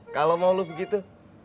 oke kalau mau lu begitu